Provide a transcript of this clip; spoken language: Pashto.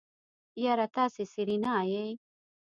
يره تاسې سېرېنا يئ.